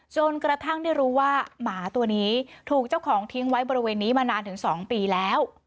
จนกระทั่งได้รู้ว่าหมาตัวนี้ถูกเจ้าของทิ้งไว้บริเวณนี้มานานถึง๒ปีแล้ว